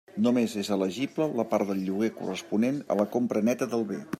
Només és elegible la part del lloguer corresponent a la compra neta del bé.